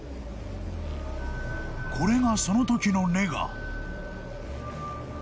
［これがそのときのネガ］